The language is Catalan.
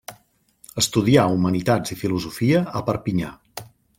Estudià humanitats i filosofia a Perpinyà.